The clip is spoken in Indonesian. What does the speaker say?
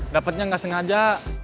dapetnya gak sengaja